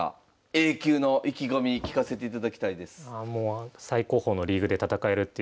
Ａ級の意気込み聞かせていただきたいです。